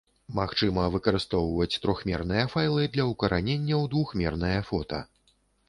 Магчыма выкарыстоўваць трохмерныя файлы для ўкаранення ў двухмернае фота.